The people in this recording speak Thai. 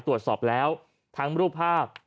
ตรวจสอบแล้วทั้งรูปภาพ